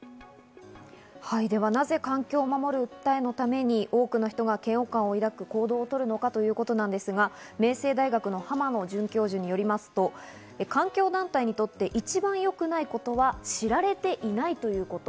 ではなぜ環境を守る訴えのために多くの人が嫌悪感を抱く行動とるのかということなんですが、明星大学の浜野准教授によりますと、環境団体にとって一番良くないことは知られていないということ。